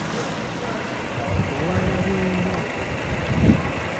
Obwana bw’embwa.